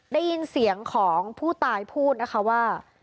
ได้ยินเสียงของผู้ตายพูดนะคะว่า